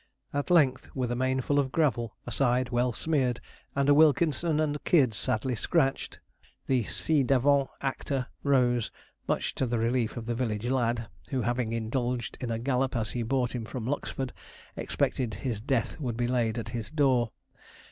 At length, with a mane full of gravel, a side well smeared, and a 'Wilkinson & Kidd' sadly scratched, the ci devant actor arose, much to the relief of the village lad, who having indulged in a gallop as he brought him from Lucksford, expected his death would be laid at his door.